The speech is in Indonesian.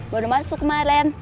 baru masuk kemaren